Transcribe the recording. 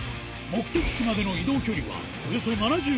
目的地までの移動距離はおよそ７５ｋｍ